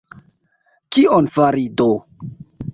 Kion fari do?